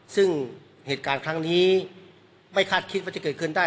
ซึ่งเหตุการณ์ครั้งนี้ไม่คาดคิดว่าจะเกิดขึ้นได้